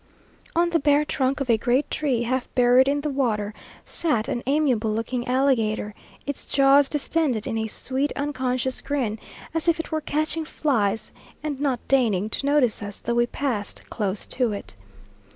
On the bare trunk of a great tree, half buried in the water, sat an amiable looking alligator, its jaws distended in a sweet, unconscious grin, as if it were catching flies, and not deigning to notice us, though we passed close to it.